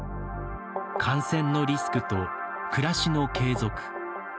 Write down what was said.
感染のリスクと暮らしの継続。